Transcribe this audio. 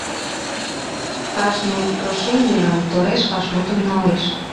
Кажне прошенийлан тореш вашмутым налеш.